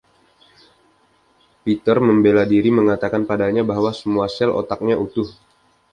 Peter membela diri mengatakan padanya bahwa semua sel otaknya utuh.